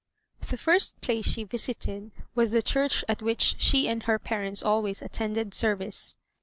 The first place she visited was the church at which she and her parents always attended service.